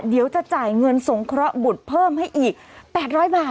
เดี๋ยวจะจ่ายเงินสงเคราะห์บุตรเพิ่มให้อีก๘๐๐บาท